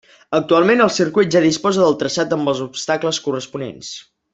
Actualment, el circuit ja disposa del traçat amb els obstacles corresponents.